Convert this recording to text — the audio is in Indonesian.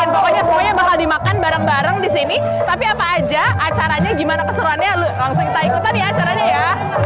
pokoknya semuanya bakal dimakan bareng bareng di sini tapi apa aja acaranya gimana keseruannya langsung kita ikutan ya acaranya ya